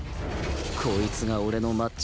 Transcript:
こいつが俺のマッチアップ